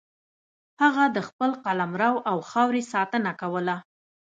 هغه د خپل قلمرو او خاورې ساتنه کوله.